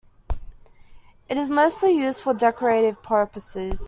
It is mostly used for decorative purposes.